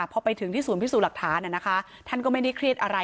พอไปถึงที่ศูนย์พิสูจน์หลักฐานท่านก็ไม่ได้เครียดอะไร